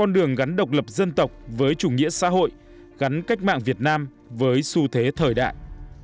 con đường gắn độc lập dân tộc với chủ nghĩa xã hội gắn cách mạng việt nam với xu thế thời đại